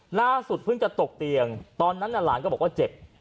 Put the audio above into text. ล่าสุดเพิ่งจะตกเตียงตอนนั้นหลานก็บอกว่าเจ็บ